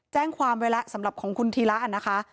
แจ้งความไว้แล้วสำหรับของคุณธีระนะคะ